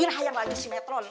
irhayah lagi si metron